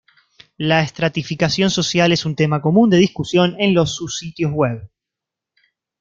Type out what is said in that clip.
La estratificación social es un tema común de discusión en los sus sitios web.